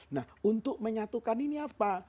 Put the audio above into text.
nah untuk menyatukan ini apa